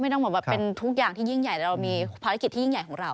ต้องเหมือนแบบเป็นทุกอย่างที่ยิ่งใหญ่แต่เรามีภารกิจที่ยิ่งใหญ่ของเรา